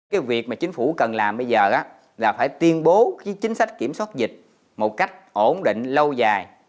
cái việc mà chính phủ cần làm bây giờ là phải tuyên bố cái chính sách kiểm soát dịch một cách ổn định lâu dài